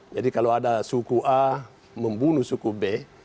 jadi kalau ada suku a membunuh suku b